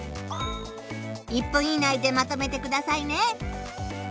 １分以内でまとめてくださいね。